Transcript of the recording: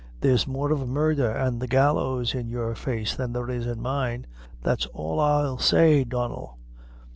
There's more of murdher an' the gallows in your face than there is in mine. That's all I'll say, Donnel.